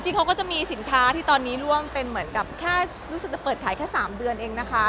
เขาก็จะมีสินค้าที่ตอนนี้ร่วมเป็นเหมือนกับแค่รู้สึกจะเปิดขายแค่๓เดือนเองนะคะ